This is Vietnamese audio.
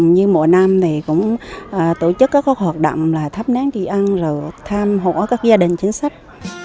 như mỗi năm thì cũng tổ chức các hoạt động là thắp nén đi ăn rồi thăm hổ các gia đình chính sách